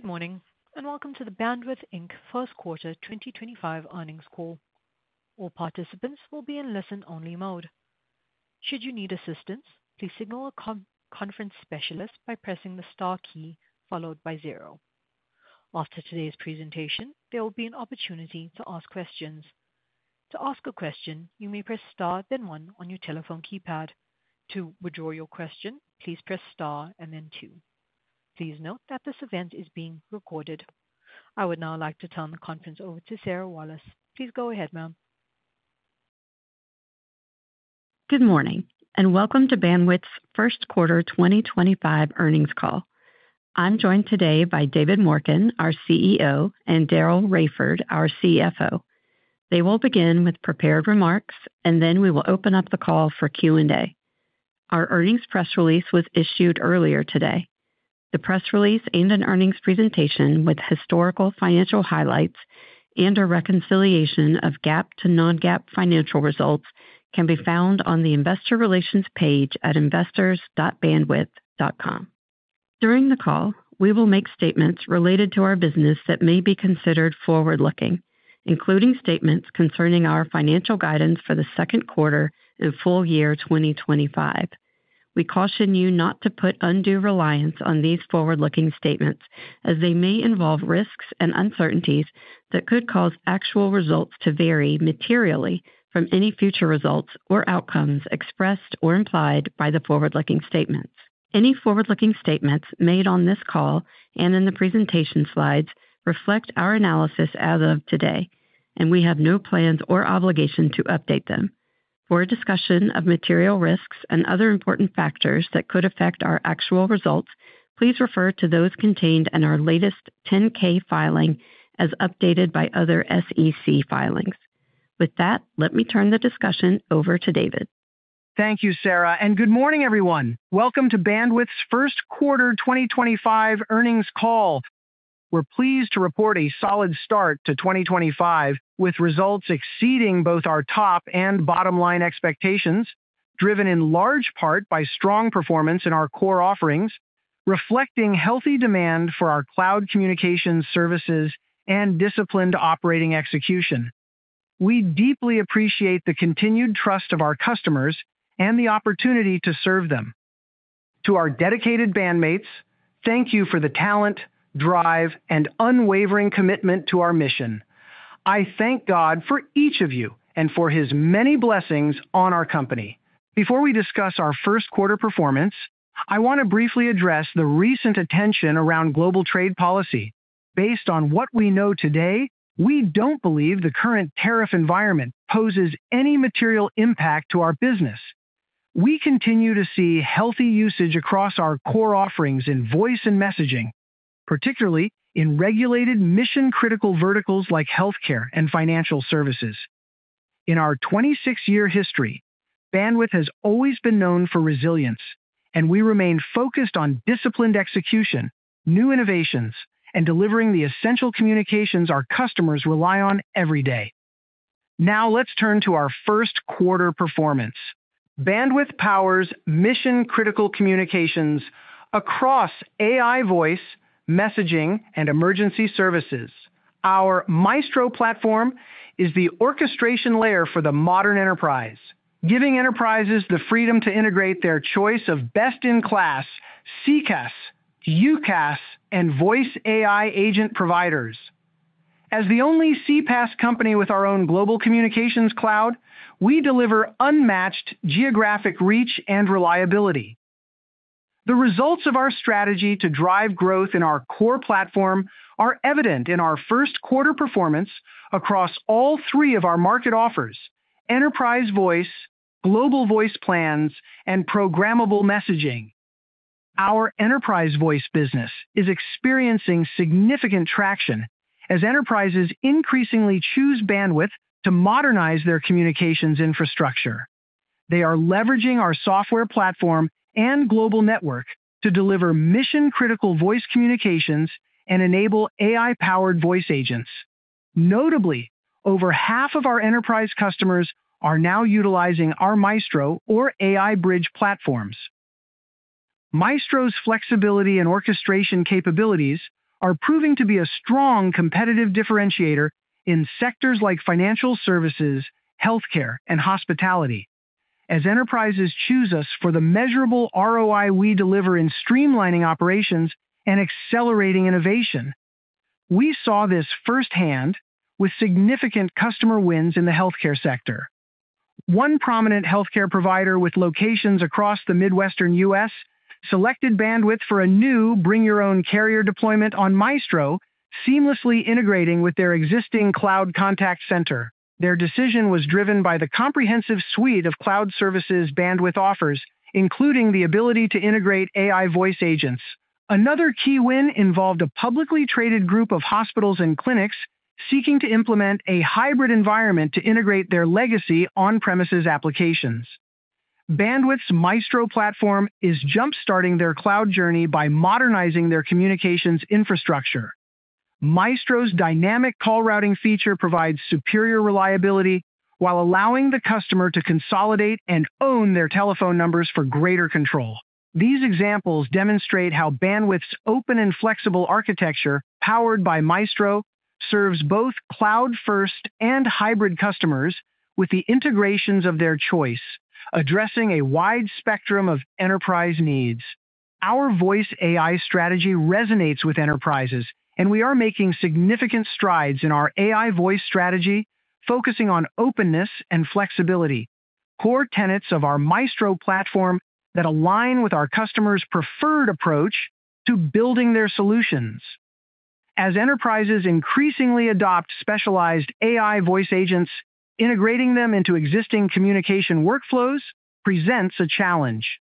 Good morning, and welcome to the Bandwidth first quarter 2025 earnings call. All participants will be in listen-only mode. Should you need assistance, please signal a conference specialist by pressing the star key followed by zero. After today's presentation, there will be an opportunity to ask questions. To ask a question, you may press star, then one on your telephone keypad. To withdraw your question, please press star and then two. Please note that this event is being recorded. I would now like to turn the conference over to Sarah Walas. Please go ahead, ma'am. Good morning, and welcome to Bandwidth's first quarter 2025 earnings call. I'm joined today by David Morken, our CEO, and Daryl Raiford, our CFO. They will begin with prepared remarks, and then we will open up the call for Q&A. Our earnings press release was issued earlier today. The press release and an earnings presentation with historical financial highlights and a reconciliation of GAAP to non-GAAP financial results can be found on the investor relations page at investors.bandwidth.com. During the call, we will make statements related to our business that may be considered forward-looking, including statements concerning our financial guidance for the second quarter and full year 2025. We caution you not to put undue reliance on these forward-looking statements, as they may involve risks and uncertainties that could cause actual results to vary materially from any future results or outcomes expressed or implied by the forward-looking statements. Any forward-looking statements made on this call and in the presentation slides reflect our analysis as of today, and we have no plans or obligation to update them. For a discussion of material risks and other important factors that could affect our actual results, please refer to those contained in our latest 10-K filing as updated by other SEC filings. With that, let me turn the discussion over to David. Thank you, Sarah, and good morning, everyone. Welcome to Bandwidth's first quarter 2025 earnings call. We're pleased to report a solid start to 2025 with results exceeding both our top and bottom-line expectations, driven in large part by strong performance in our core offerings, reflecting healthy demand for our cloud communications services and disciplined operating execution. We deeply appreciate the continued trust of our customers and the opportunity to serve them. To our dedicated bandmates, thank you for the talent, drive, and unwavering commitment to our mission. I thank God for each of you and for His many blessings on our company. Before we discuss our first quarter performance, I want to briefly address the recent attention around global trade policy. Based on what we know today, we don't believe the current tariff environment poses any material impact to our business. We continue to see healthy usage across our core offerings in voice and messaging, particularly in regulated mission-critical verticals like healthcare and financial services. In our 26-year history, Bandwidth has always been known for resilience, and we remain focused on disciplined execution, new innovations, and delivering the essential communications our customers rely on every day. Now let's turn to our first quarter performance. Bandwidth powers mission-critical communications across AI voice, messaging, and emergency services. Our Maestro platform is the orchestration layer for the modern enterprise, giving enterprises the freedom to integrate their choice of best-in-class CCaaS, UCaaS, and voice AI agent providers. As the only CPaaS company with our own global communications cloud, we deliver unmatched geographic reach and reliability. The results of our strategy to drive growth in our core platform are evident in our first quarter performance across all three of our market offers: enterprise voice, global voice plans, and programmable messaging. Our enterprise voice business is experiencing significant traction as enterprises increasingly choose Bandwidth to modernize their communications infrastructure. They are leveraging our software platform and global network to deliver mission-critical voice communications and enable AI-powered voice agents. Notably, over half of our enterprise customers are now utilizing our Maestro or AI Bridge platforms. Maestro's flexibility and orchestration capabilities are proving to be a strong competitive differentiator in sectors like financial services, healthcare, and hospitality, as enterprises choose us for the measurable ROI we deliver in streamlining operations and accelerating innovation. We saw this firsthand with significant customer wins in the healthcare sector. One prominent healthcare provider with locations across the Midwestern U.S. selected Bandwidth for a new bring-your-own-carrier deployment on Maestro, seamlessly integrating with their existing cloud contact center. Their decision was driven by the comprehensive suite of cloud services Bandwidth offers, including the ability to integrate AI voice agents. Another key win involved a publicly traded group of hospitals and clinics seeking to implement a hybrid environment to integrate their legacy on-premises applications. Bandwidth's Maestro platform is jump-starting their cloud journey by modernizing their communications infrastructure. Maestro's dynamic call routing feature provides superior reliability while allowing the customer to consolidate and own their telephone numbers for greater control. These examples demonstrate how Bandwidth's open and flexible architecture, powered by Maestro, serves both cloud-first and hybrid customers with the integrations of their choice, addressing a wide spectrum of enterprise needs. Our voice AI strategy resonates with enterprises, and we are making significant strides in our AI voice strategy, focusing on openness and flexibility, core tenets of our Maestro platform that align with our customers' preferred approach to building their solutions. As enterprises increasingly adopt specialized AI voice agents, integrating them into existing communication workflows presents a challenge.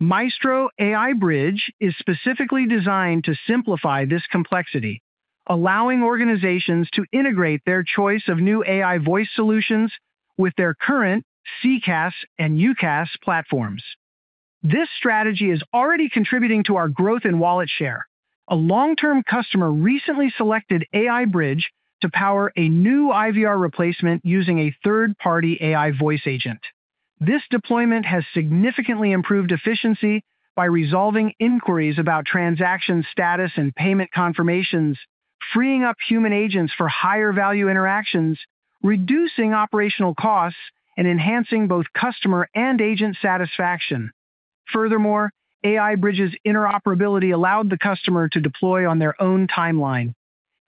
Maestro AI Bridge is specifically designed to simplify this complexity, allowing organizations to integrate their choice of new AI voice solutions with their current CCaaS and UCaaS platforms. This strategy is already contributing to our growth in wallet share. A long-term customer recently selected AI Bridge to power a new IVR replacement using a third-party AI voice agent. This deployment has significantly improved efficiency by resolving inquiries about transaction status and payment confirmations, freeing up human agents for higher-value interactions, reducing operational costs, and enhancing both customer and agent satisfaction. Furthermore, AI Bridge's interoperability allowed the customer to deploy on their own timeline.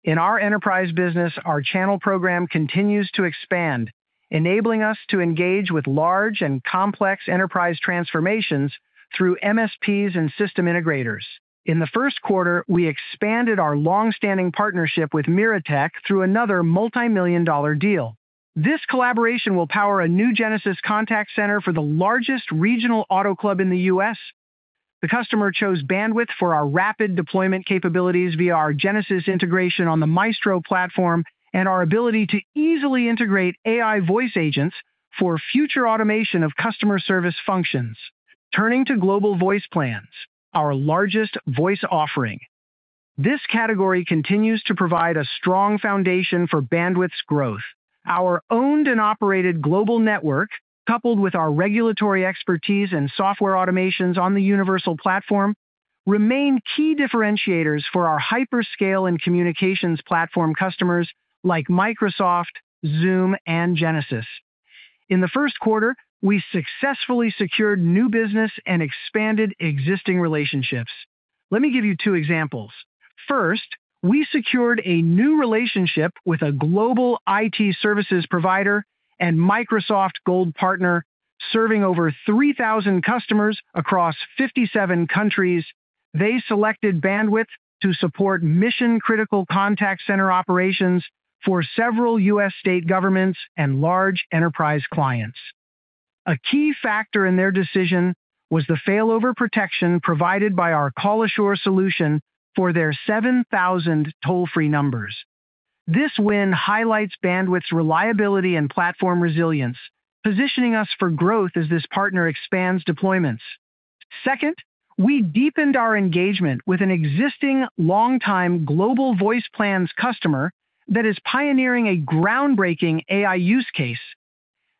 In our enterprise business, our channel program continues to expand, enabling us to engage with large and complex enterprise transformations through MSPs and system integrators. In the first quarter, we expanded our long-standing partnership with MiraTech through another multi-million dollar deal. This collaboration will power a new Genesis contact center for the largest regional auto club in the U.S. The customer chose Bandwidth for our rapid deployment capabilities via our Genesis integration on the Maestro platform and our ability to easily integrate AI voice agents for future automation of customer service functions. Turning to global voice plans, our largest voice offering. This category continues to provide a strong foundation for Bandwidth's growth. Our owned and operated global network, coupled with our regulatory expertise and software automations on the universal platform, remain key differentiators for our hyperscale and communications platform customers like Microsoft, Zoom, and Genesis. In the first quarter, we successfully secured new business and expanded existing relationships. Let me give you two examples. First, we secured a new relationship with a global IT services provider and Microsoft Gold partner, serving over 3,000 customers across 57 countries. They selected Bandwidth to support mission-critical contact center operations for several U.S. state governments and large enterprise clients. A key factor in their decision was the failover protection provided by our Call-assure solution for their 7,000 toll-free numbers. This win highlights Bandwidth's reliability and platform resilience, positioning us for growth as this partner expands deployments. Second, we deepened our engagement with an existing long-time Global Voice Plans customer that is pioneering a groundbreaking AI use case.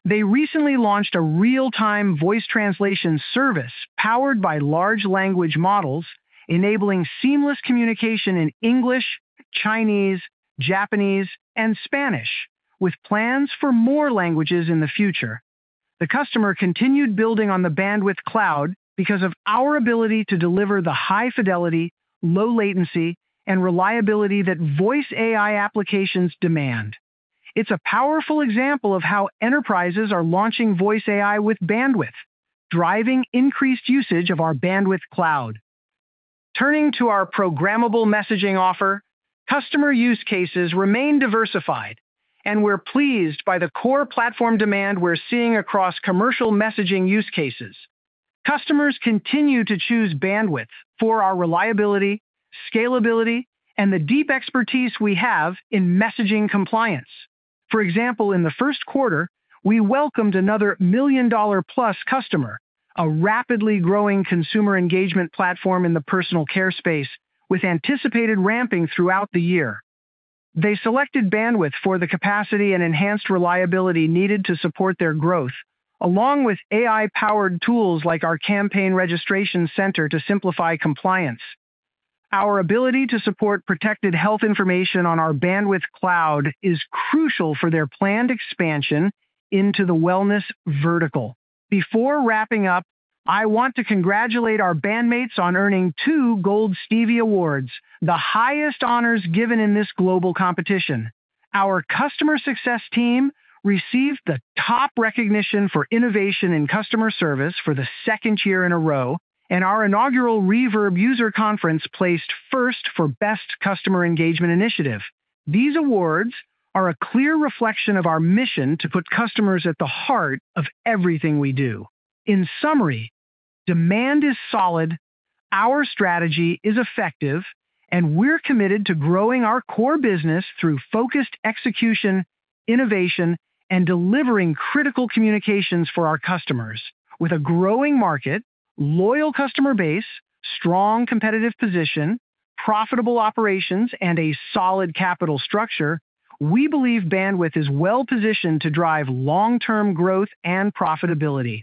They recently launched a real-time voice translation service powered by large language models, enabling seamless communication in English, Chinese, Japanese, and Spanish, with plans for more languages in the future. The customer continued building on the Bandwidth cloud because of our ability to deliver the high fidelity, low latency, and reliability that voice AI applications demand. It's a powerful example of how enterprises are launching voice AI with Bandwidth, driving increased usage of our Bandwidth cloud. Turning to our Programmable Messaging offer, customer use cases remain diversified, and we're pleased by the core platform demand we're seeing across commercial messaging use cases. Customers continue to choose Bandwidth for our reliability, scalability, and the deep expertise we have in messaging compliance. For example, in the first quarter, we welcomed another million-dollar-plus customer, a rapidly growing consumer engagement platform in the personal care space, with anticipated ramping throughout the year. They selected Bandwidth for the capacity and enhanced reliability needed to support their growth, along with AI-powered tools like our Campaign Registration Center to simplify compliance. Our ability to support protected health information on our Bandwidth cloud is crucial for their planned expansion into the wellness vertical. Before wrapping up, I want to congratulate our bandmates on earning two Gold Stevie Awards, the highest honors given in this global competition. Our customer success team received the top recognition for innovation in customer service for the second year in a row, and our inaugural Reverb User Conference placed first for Best Customer Engagement Initiative. These awards are a clear reflection of our mission to put customers at the heart of everything we do. In summary, demand is solid, our strategy is effective, and we're committed to growing our core business through focused execution, innovation, and delivering critical communications for our customers. With a growing market, loyal customer base, strong competitive position, profitable operations, and a solid capital structure, we believe Bandwidth is well-positioned to drive long-term growth and profitability.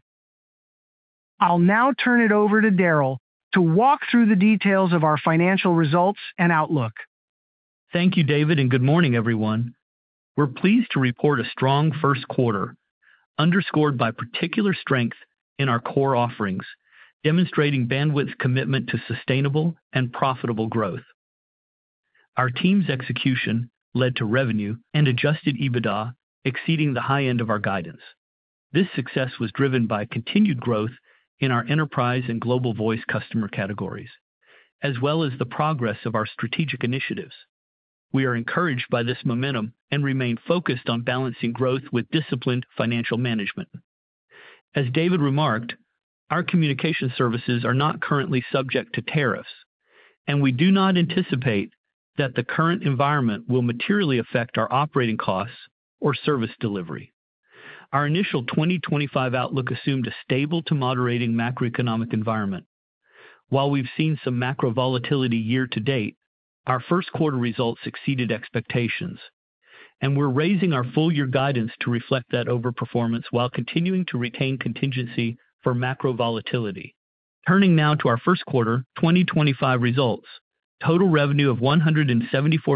I'll now turn it over to Daryl to walk through the details of our financial results and outlook. Thank you, David, and good morning, everyone. We're pleased to report a strong first quarter, underscored by particular strength in our core offerings, demonstrating Bandwidth's commitment to sustainable and profitable growth. Our team's execution led to revenue and adjusted EBITDA exceeding the high end of our guidance. This success was driven by continued growth in our enterprise and global voice customer categories, as well as the progress of our strategic initiatives. We are encouraged by this momentum and remain focused on balancing growth with disciplined financial management. As David remarked, our communication services are not currently subject to tariffs, and we do not anticipate that the current environment will materially affect our operating costs or service delivery. Our initial 2025 outlook assumed a stable to moderating macroeconomic environment. While we've seen some macro volatility year to date, our first quarter results exceeded expectations, and we're raising our full-year guidance to reflect that overperformance while continuing to retain contingency for macro volatility. Turning now to our first quarter 2025 results, total revenue of $174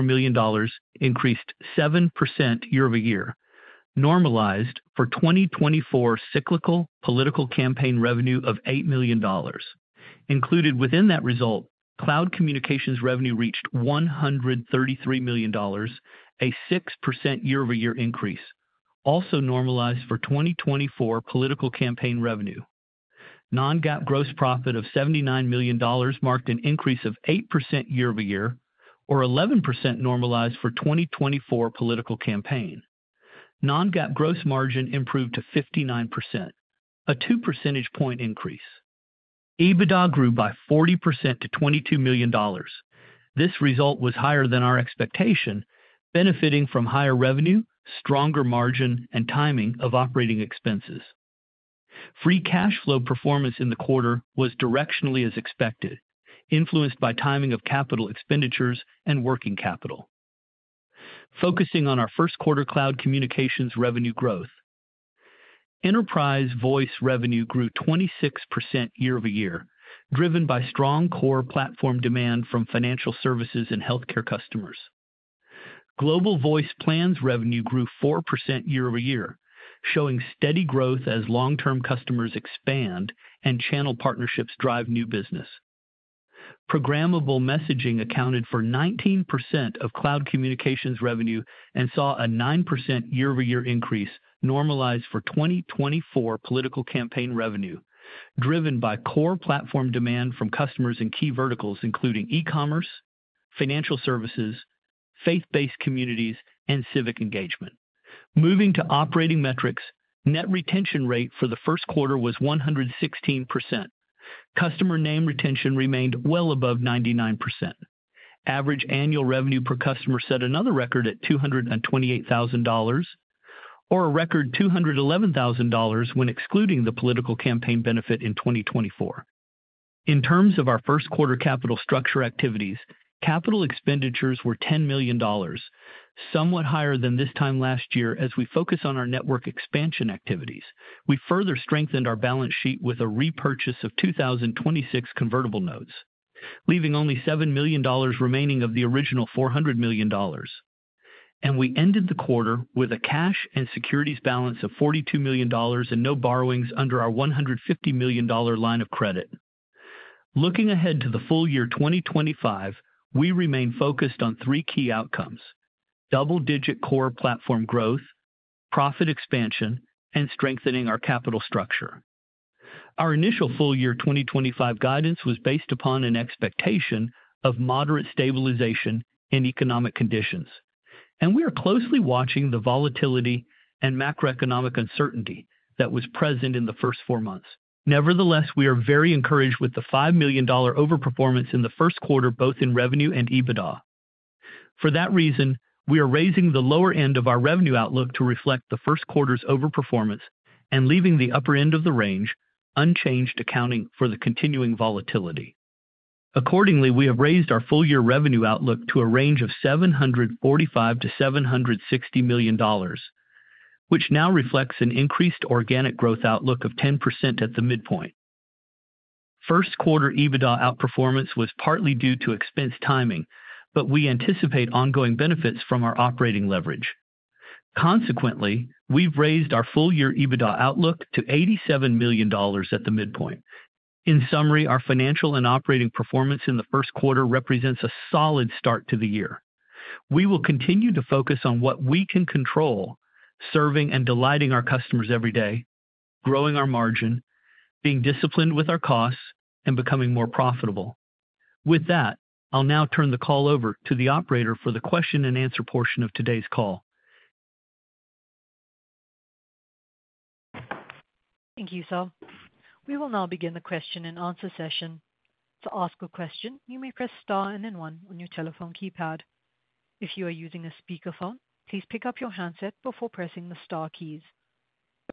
million increased 7% year-over-year, normalized for 2024 cyclical political campaign revenue of $8 million. Included within that result, cloud communications revenue reached $133 million, a 6% year-over-year increase, also normalized for 2024 political campaign revenue. Non-GAAP gross profit of $79 million marked an increase of 8% year-over-year, or 11% normalized for 2024 political campaign. Non-GAAP gross margin improved to 59%, a 2 percentage point increase. EBITDA grew by 40% to $22 million. This result was higher than our expectation, benefiting from higher revenue, stronger margin, and timing of operating expenses. Free cash flow performance in the quarter was directionally as expected, influenced by timing of capital expenditures and working capital. Focusing on our first quarter cloud communications revenue growth, enterprise voice revenue grew 26% year-over-year, driven by strong core platform demand from financial services and healthcare customers. Global voice plans revenue grew 4% year-over-year, showing steady growth as long-term customers expand and channel partnerships drive new business. Programmable messaging accounted for 19% of cloud communications revenue and saw a 9% year-over-year increase, normalized for 2024 political campaign revenue, driven by core platform demand from customers in key verticals including e-commerce, financial services, faith-based communities, and civic engagement. Moving to operating metrics, net retention rate for the first quarter was 116%. Customer name retention remained well above 99%. Average annual revenue per customer set another record at $228,000, or a record $211,000 when excluding the political campaign benefit in 2024. In terms of our first quarter capital structure activities, capital expenditures were $10 million, somewhat higher than this time last year as we focus on our network expansion activities. We further strengthened our balance sheet with a repurchase of 2,026 convertible notes, leaving only $7 million remaining of the original $400 million. We ended the quarter with a cash and securities balance of $42 million and no borrowings under our $150 million line of credit. Looking ahead to the full year 2025, we remain focused on three key outcomes: double-digit core platform growth, profit expansion, and strengthening our capital structure. Our initial full year 2025 guidance was based upon an expectation of moderate stabilization in economic conditions, and we are closely watching the volatility and macroeconomic uncertainty that was present in the first four months. Nevertheless, we are very encouraged with the $5 million overperformance in the first quarter, both in revenue and EBITDA. For that reason, we are raising the lower end of our revenue outlook to reflect the first quarter's overperformance and leaving the upper end of the range unchanged, accounting for the continuing volatility. Accordingly, we have raised our full year revenue outlook to a range of $745-$760 million, which now reflects an increased organic growth outlook of 10% at the midpoint. First quarter EBITDA outperformance was partly due to expense timing, but we anticipate ongoing benefits from our operating leverage. Consequently, we've raised our full year EBITDA outlook to $87 million at the midpoint. In summary, our financial and operating performance in the first quarter represents a solid start to the year. We will continue to focus on what we can control, serving and delighting our customers every day, growing our margin, being disciplined with our costs, and becoming more profitable. With that, I'll now turn the call over to the operator for the question and answer portion of today's call. Thank you, Sir. We will now begin the question and answer session. To ask a question, you may press Star and then One on your telephone keypad. If you are using a speakerphone, please pick up your handset before pressing the Star keys.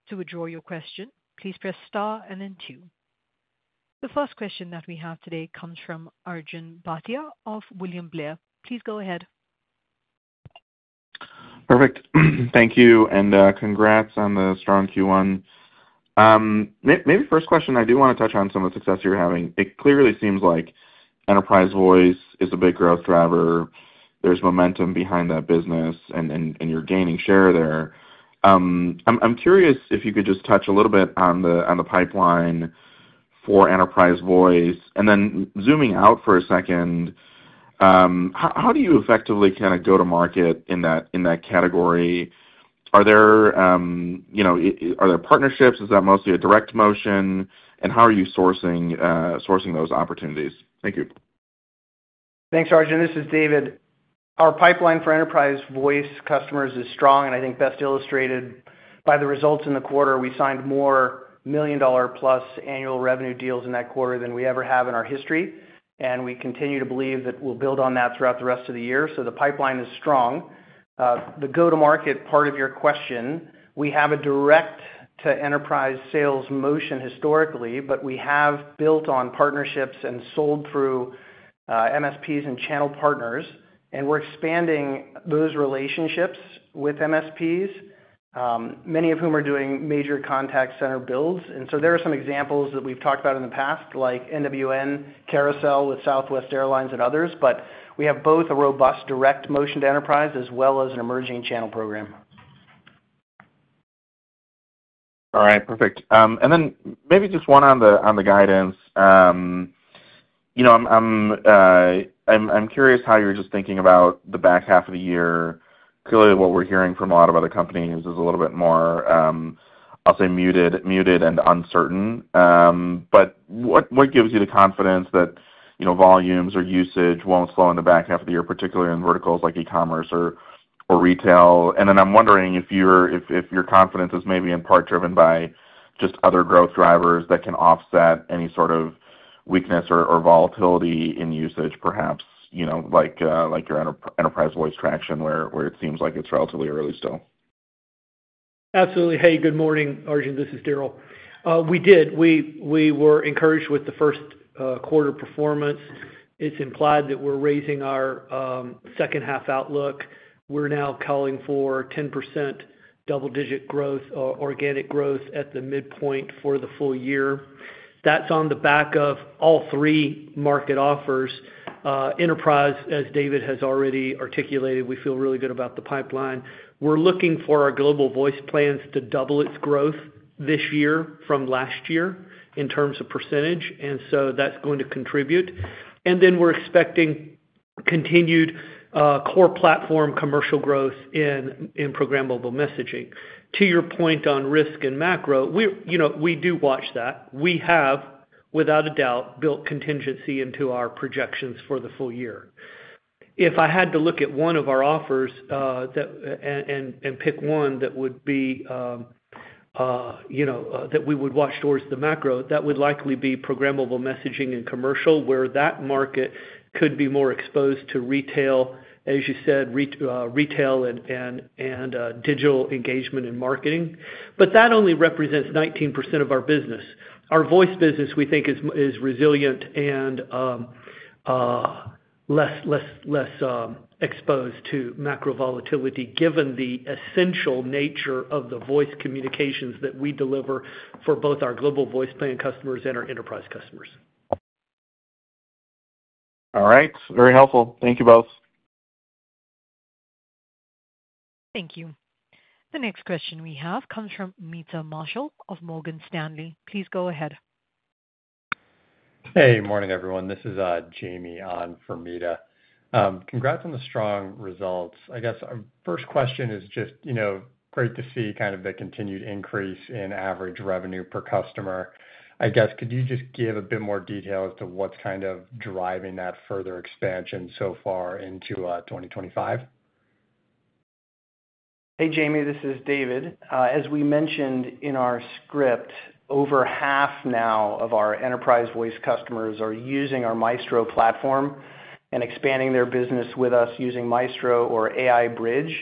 To withdraw your question, please press Star and then Two. The first question that we have today comes from Arjun Bhatia of William Blair. Please go ahead. Perfect. Thank you, and congrats on the strong Q1. Maybe first question, I do want to touch on some of the success you're having. It clearly seems like Enterprise Voice is a big growth driver. There's momentum behind that business, and you're gaining share there. I'm curious if you could just touch a little bit on the pipeline for Enterprise Voice. Then zooming out for a second, how do you effectively kind of go to market in that category? Are there partnerships? Is that mostly a direct motion? How are you sourcing those opportunities? Thank you. Thanks, Arjun. This is David. Our pipeline for Enterprise Voice customers is strong, and I think best illustrated by the results in the quarter. We signed more million-dollar-plus annual revenue deals in that quarter than we ever have in our history, and we continue to believe that we'll build on that throughout the rest of the year. The pipeline is strong. The go-to-market part of your question, we have a direct-to-Enterprise sales motion historically, but we have built on partnerships and sold through MSPs and channel partners, and we're expanding those relationships with MSPs, many of whom are doing major contact center builds. There are some examples that we've talked about in the past, like NWN, Carousel with Southwest Airlines, and others, but we have both a robust direct motion to Enterprise as well as an emerging channel program. All right. Perfect. Maybe just one on the guidance. I'm curious how you're just thinking about the back half of the year. Clearly, what we're hearing from a lot of other companies is a little bit more, I'll say, muted and uncertain. What gives you the confidence that volumes or usage won't slow in the back half of the year, particularly in verticals like e-commerce or retail? I'm wondering if your confidence is maybe in part driven by just other growth drivers that can offset any sort of weakness or volatility in usage, perhaps, like your Enterprise Voice traction, where it seems like it's relatively early still. Absolutely. Hey, good morning, Arjun. This is Daryl. We did. We were encouraged with the first quarter performance. It is implied that we are raising our second-half outlook. We are now calling for 10% double-digit growth or organic growth at the midpoint for the full year. That is on the back of all three market offers. Enterprise, as David has already articulated, we feel really good about the pipeline. We are looking for our global voice plans to double its growth this year from last year in terms of percentage, and that is going to contribute. We are expecting continued core platform commercial growth in programmable messaging. To your point on risk and macro, we do watch that. We have, without a doubt, built contingency into our projections for the full year. If I had to look at one of our offers and pick one that would be that we would watch towards the macro, that would likely be programmable messaging and commercial, where that market could be more exposed to retail, as you said, retail and digital engagement and marketing. That only represents 19% of our business. Our voice business, we think, is resilient and less exposed to macro volatility, given the essential nature of the voice communications that we deliver for both our global voice plan customers and our enterprise customers. All right. Very helpful. Thank you both. Thank you. The next question we have comes from Meta Marshall of Morgan Stanley. Please go ahead. Hey, morning, everyone. This is Jamie Ahn from Morgan Stanley. Congrats on the strong results. I guess our first question is just great to see kind of the continued increase in average revenue per customer. I guess, could you just give a bit more detail as to what's kind of driving that further expansion so far into 2025? Hey, Jamie, this is David. As we mentioned in our script, over half now of our Enterprise Voice customers are using our Maestro platform and expanding their business with us using Maestro or AI Bridge.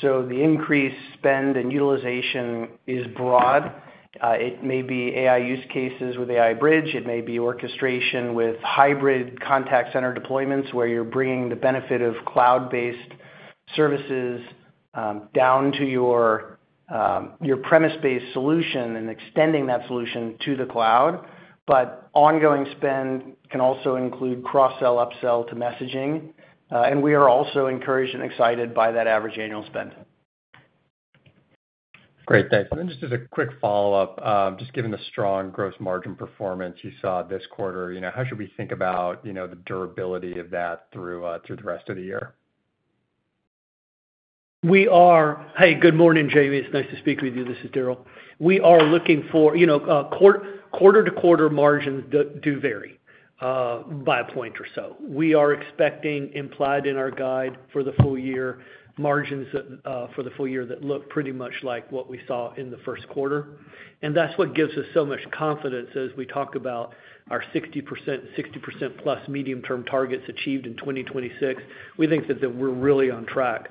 The increased spend and utilization is broad. It may be AI use cases with AI Bridge. It may be orchestration with hybrid contact center deployments where you're bringing the benefit of cloud-based services down to your premise-based solution and extending that solution to the cloud. Ongoing spend can also include cross-sell upsell to messaging. We are also encouraged and excited by that average annual spend. Great. Thanks. Just as a quick follow-up, just given the strong gross margin performance you saw this quarter, how should we think about the durability of that through the rest of the year? We are. Hey, good morning, Jamie. It's nice to speak with you. This is Daryl. We are looking for quarter-to-quarter margins that do vary by a point or so. We are expecting implied in our guide for the full year margins for the full year that look pretty much like what we saw in the first quarter. That is what gives us so much confidence as we talk about our 60%, 60% plus medium-term targets achieved in 2026. We think that we're really on track,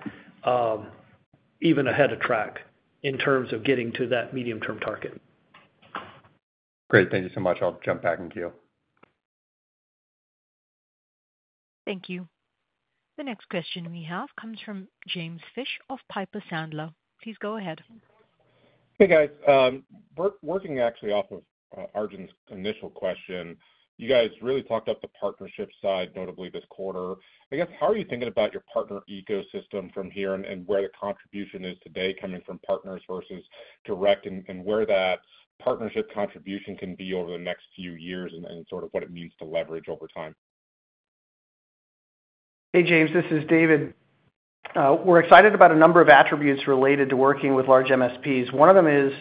even ahead of track in terms of getting to that medium-term target. Great. Thank you so much. I'll jump back in queue. Thank you. The next question we have comes from James Fish of Piper Sandler. Please go ahead. Hey, guys. Working actually off of Arjun's initial question, you guys really talked up the partnership side, notably this quarter. I guess, how are you thinking about your partner ecosystem from here and where the contribution is today coming from partners versus direct and where that partnership contribution can be over the next few years and sort of what it means to leverage over time? Hey, James. This is David. We're excited about a number of attributes related to working with large MSPs. One of them is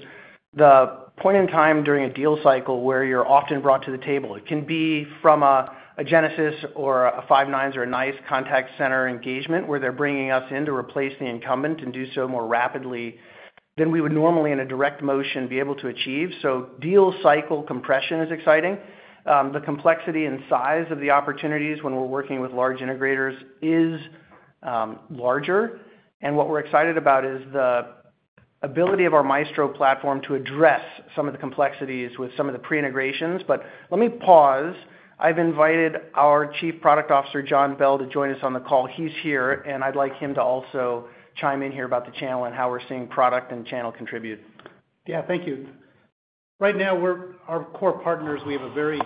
the point in time during a deal cycle where you're often brought to the table. It can be from a Genesis or a Five9 or a NICE contact center engagement where they're bringing us in to replace the incumbent and do so more rapidly than we would normally in a direct motion be able to achieve. Deal cycle compression is exciting. The complexity and size of the opportunities when we're working with large integrators is larger. What we're excited about is the ability of our Maestro platform to address some of the complexities with some of the pre-integrations. Let me pause. I've invited our Chief Product Officer, John Bell, to join us on the call. He's here, and I'd like him to also chime in here about the channel and how we're seeing product and channel contribute. Yeah, thank you. Right now, our core partners, we have a very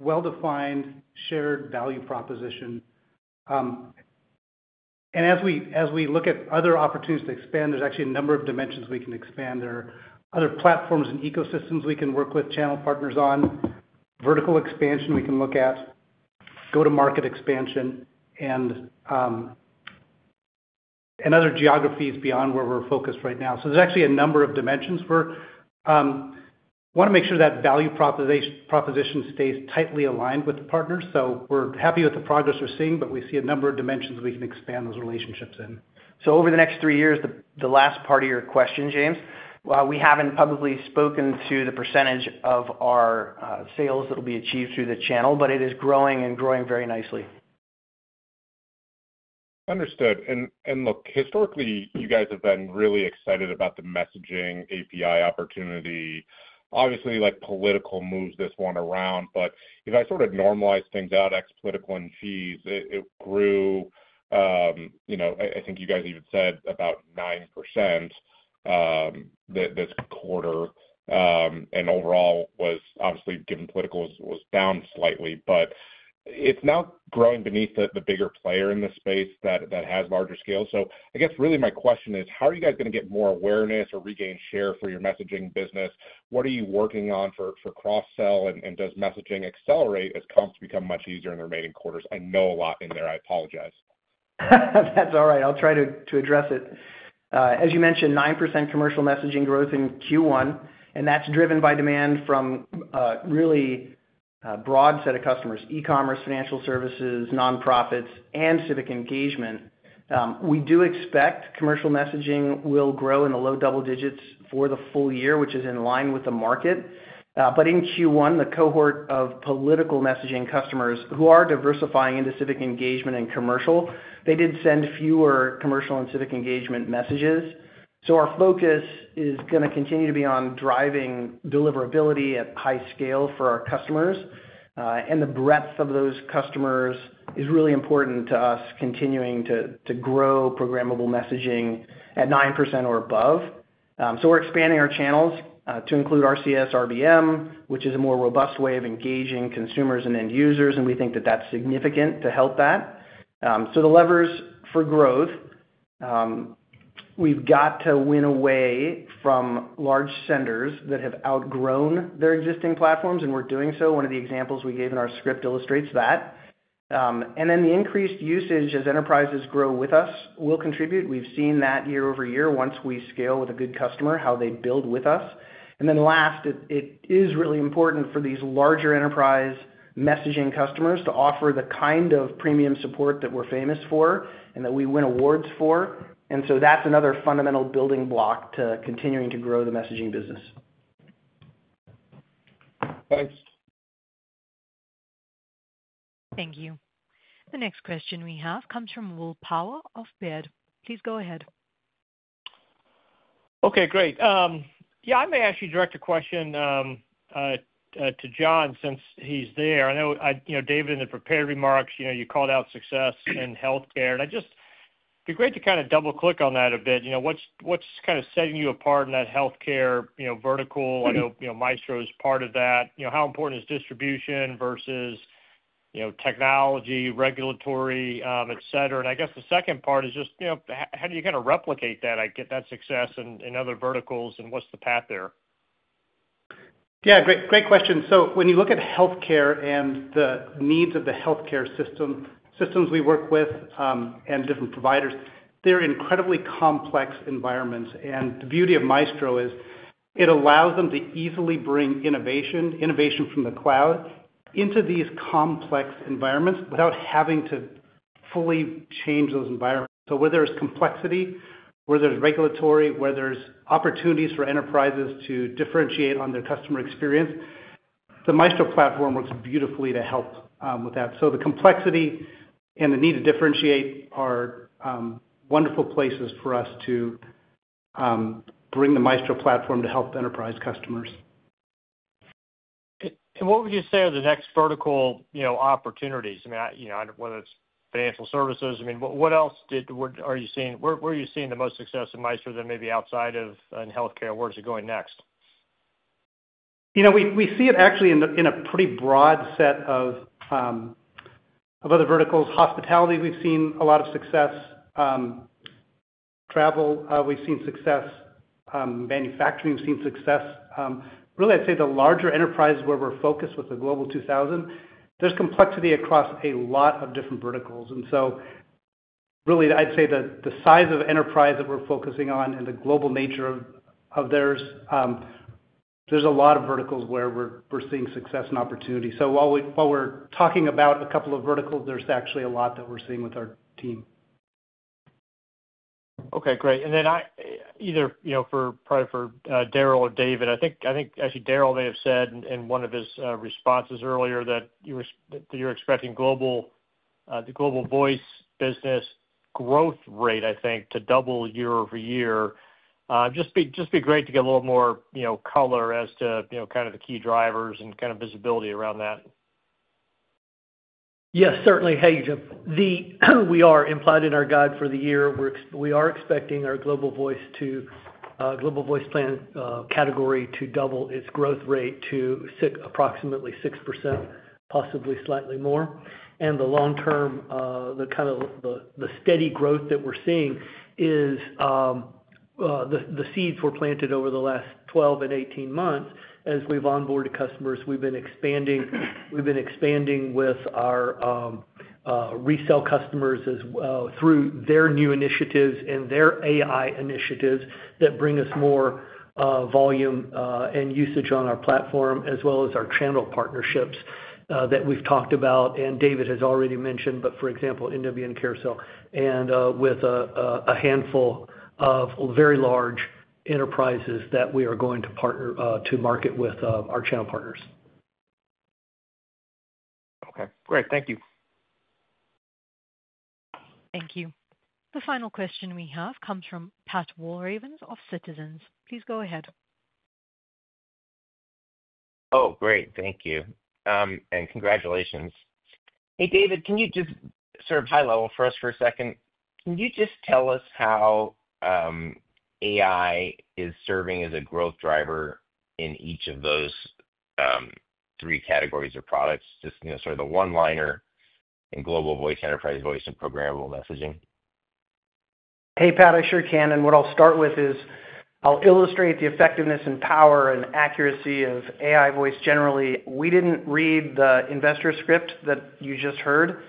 well-defined shared value proposition. As we look at other opportunities to expand, there's actually a number of dimensions we can expand. There are other platforms and ecosystems we can work with channel partners on. Vertical expansion we can look at, go-to-market expansion, and other geographies beyond where we're focused right now. There's actually a number of dimensions. We want to make sure that value proposition stays tightly aligned with the partners. We're happy with the progress we're seeing, but we see a number of dimensions we can expand those relationships in. Over the next three years, the last part of your question, James, we haven't publicly spoken to the percentage of our sales that will be achieved through the channel, but it is growing and growing very nicely. Understood. Look, historically, you guys have been really excited about the messaging API opportunity. Obviously, political moves this one around, but if I sort of normalize things out, ex-political and fees, it grew. I think you guys even said about 9% this quarter. Overall, obviously, given political was down slightly, but it's now growing beneath the bigger player in the space that has larger scale. I guess really my question is, how are you guys going to get more awareness or regain share for your messaging business? What are you working on for cross-sell? Does messaging accelerate as comps become much easier in the remaining quarters? I know a lot in there. I apologize. That's all right. I'll try to address it. As you mentioned, 9% commercial messaging growth in Q1, and that's driven by demand from a really broad set of customers: e-commerce, financial services, nonprofits, and civic engagement. We do expect commercial messaging will grow in the low double digits for the full year, which is in line with the market. In Q1, the cohort of political messaging customers who are diversifying into civic engagement and commercial, they did send fewer commercial and civic engagement messages. Our focus is going to continue to be on driving deliverability at high scale for our customers. The breadth of those customers is really important to us continuing to grow programmable messaging at 9% or above. We're expanding our channels to include RCS, RBM, which is a more robust way of engaging consumers and end users, and we think that that's significant to help that. The levers for growth, we've got to win away from large senders that have outgrown their existing platforms, and we're doing so. One of the examples we gave in our script illustrates that. The increased usage as enterprises grow with us will contribute. We've seen that year over year, once we scale with a good customer, how they build with us. Last, it is really important for these larger enterprise messaging customers to offer the kind of premium support that we're famous for and that we win awards for. That's another fundamental building block to continuing to grow the messaging business. Thanks. Thank you. The next question we have comes from Will Power of Baird. Please go ahead. Okay, great. Yeah, I may actually direct a question to John since he's there. I know David, in the prepared remarks, you called out success in healthcare. It'd be great to kind of double-click on that a bit. What's kind of setting you apart in that healthcare vertical? I know Maestro is part of that. How important is distribution versus technology, regulatory, etc.? I guess the second part is just how do you kind of replicate that, get that success in other verticals, and what's the path there? Yeah, great question. When you look at healthcare and the needs of the healthcare systems we work with and different providers, they're incredibly complex environments. The beauty of Maestro is it allows them to easily bring innovation from the cloud into these complex environments without having to fully change those environments. Where there is complexity, where there's regulatory, where there's opportunities for enterprises to differentiate on their customer experience, the Maestro platform works beautifully to help with that. The complexity and the need to differentiate are wonderful places for us to bring the Maestro platform to help enterprise customers. What would you say are the next vertical opportunities? I mean, whether it's financial services, I mean, what else are you seeing? Where are you seeing the most success in Maestro than maybe outside of in healthcare? Where is it going next? We see it actually in a pretty broad set of other verticals. Hospitality, we've seen a lot of success. Travel, we've seen success. Manufacturing, we've seen success. Really, I'd say the larger enterprises where we're focused with the Global 2000, there's complexity across a lot of different verticals. Really, I'd say the size of enterprise that we're focusing on and the global nature of theirs, there's a lot of verticals where we're seeing success and opportunity. While we're talking about a couple of verticals, there's actually a lot that we're seeing with our team. Okay, great. Either, probably for Daryl or David, I think actually Daryl may have said in one of his responses earlier that you're expecting the global voice business growth rate, I think, to double year over year. Just be great to get a little more color as to kind of the key drivers and kind of visibility around that. Yes, certainly. Hey, we are implied in our guide for the year. We are expecting our global voice plan category to double its growth rate to approximately 6%, possibly slightly more. The long-term, kind of the steady growth that we're seeing is the seeds were planted over the last 12 and 18 months as we've onboarded customers. We've been expanding with our resale customers through their new initiatives and their AI initiatives that bring us more volume and usage on our platform, as well as our channel partnerships that we've talked about. David has already mentioned, for example, NWN, Carousel, and with a handful of very large enterprises that we are going to partner to market with our channel partners. Okay, great. Thank you. Thank you. The final question we have comes from Pat Walravens of Citizens. Please go ahead. Oh, great. Thank you. Congratulations. Hey, David, can you just sort of high level for us for a second? Can you just tell us how AI is serving as a growth driver in each of those three categories of products, just sort of the one-liner in global voice, enterprise voice, and programmable messaging? Hey, Pat, I sure can. What I'll start with is I'll illustrate the effectiveness and power and accuracy of AI voice generally. We didn't read the investor script that you just heard.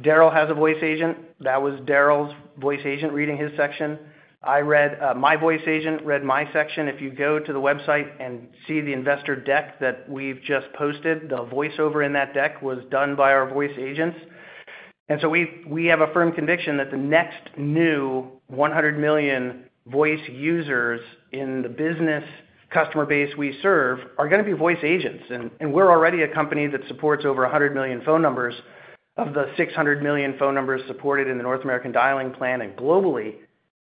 Daryl has a voice agent. That was Daryl's voice agent reading his section. My voice agent read my section. If you go to the website and see the investor deck that we've just posted, the voiceover in that deck was done by our voice agents. We have a firm conviction that the next new 100 million voice users in the business customer base we serve are going to be voice agents. We're already a company that supports over 100 million phone numbers of the 600 million phone numbers supported in the North American dialing plan and globally.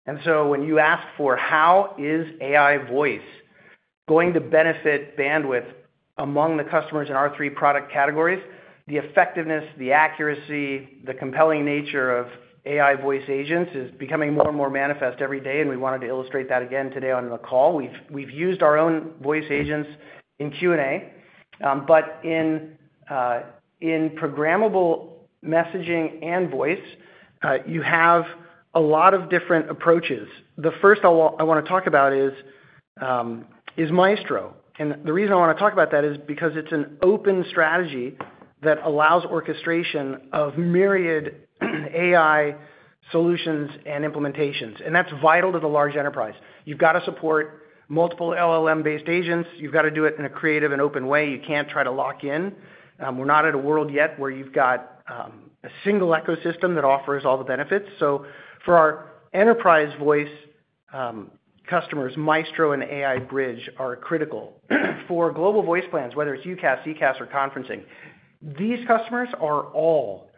When you ask for how is AI voice going to benefit Bandwidth among the customers in our three product categories, the effectiveness, the accuracy, the compelling nature of AI voice agents is becoming more and more manifest every day. We wanted to illustrate that again today on the call. We've used our own voice agents in Q&A. In programmable messaging and voice, you have a lot of different approaches. The first I want to talk about is Maestro. The reason I want to talk about that is because it's an open strategy that allows orchestration of myriad AI solutions and implementations. That's vital to the large enterprise. You've got to support multiple LLM-based agents. You've got to do it in a creative and open way. You can't try to lock in. We're not in a world yet where you've got a single ecosystem that offers all the benefits. For our enterprise voice customers, Maestro and AI Bridge are critical. For global voice plans, whether it's UCaaS, CCaaS, or conferencing, these customers are all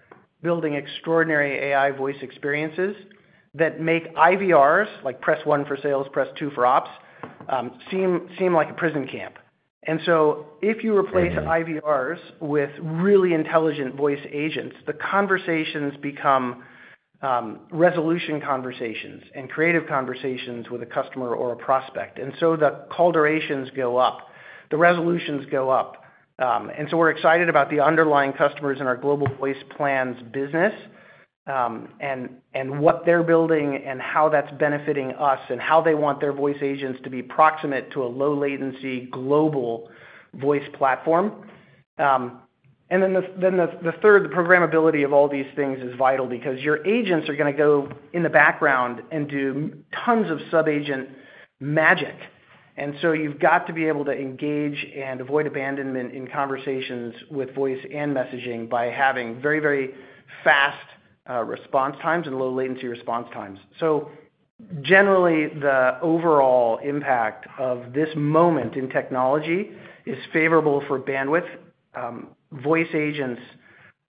building extraordinary AI voice experiences that make IVRs, like press one for sales, press two for ops, seem like a prison camp. If you replace IVRs with really intelligent voice agents, the conversations become resolution conversations and creative conversations with a customer or a prospect. The call durations go up. The resolutions go up. We're excited about the underlying customers in our global voice plans business and what they're building and how that's benefiting us and how they want their voice agents to be proximate to a low-latency global voice platform. The third, the programmability of all these things is vital because your agents are going to go in the background and do tons of sub-agent magic. You have to be able to engage and avoid abandonment in conversations with voice and messaging by having very, very fast response times and low-latency response times. Generally, the overall impact of this moment in technology is favorable for Bandwidth. Voice agents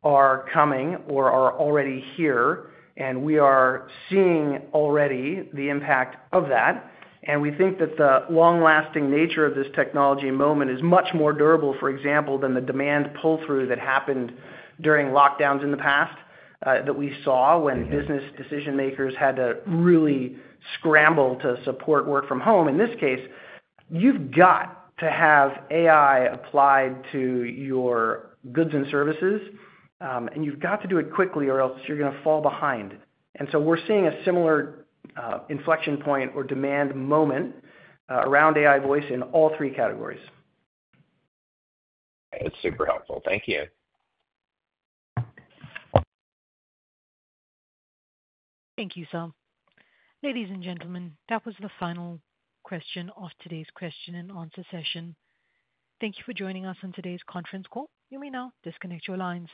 are coming or are already here, and we are seeing already the impact of that. We think that the long-lasting nature of this technology moment is much more durable, for example, than the demand pull-through that happened during lockdowns in the past that we saw when business decision-makers had to really scramble to support work from home. In this case, you've got to have AI applied to your goods and services, and you've got to do it quickly or else you're going to fall behind. We're seeing a similar inflection point or demand moment around AI voice in all three categories. That's super helpful. Thank you. Thank you, Sir. Ladies and gentlemen, that was the final question of today's question and answer session. Thank you for joining us on today's conference call. You may now disconnect your lines.